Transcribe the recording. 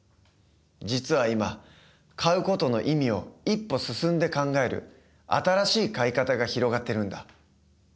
実は今買う事の意味を一歩進んで考える新しい買い方が広がってるんだ。